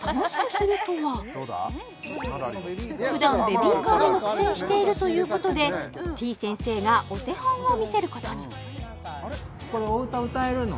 ふだんベビーカーにも苦戦しているということでてぃ先生がお手本を見せることにこれお歌歌えるの？